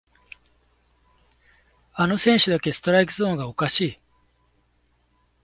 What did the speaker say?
あの選手だけストライクゾーンがおかしい